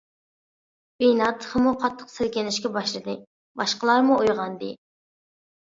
بىنا تېخىمۇ قاتتىق سىلكىنىشكە باشلىدى، باشقىلارمۇ ئويغاندى.